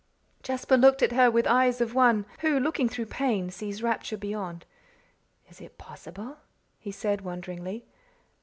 Jasper looked at her with the eyes of one who, looking through pain, sees rapture beyond. "Is it possible?" he said, wonderingly.